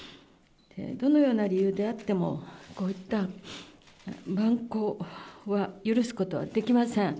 どのような理由であっても、こういった蛮行は許すことはできません。